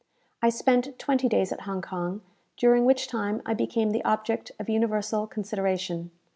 I spent twenty days at Hong Kong, during which time I became the object of universal consideration.